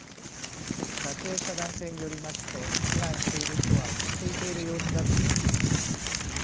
撮影した男性によりますと避難している人は落ち着いている様子だということです。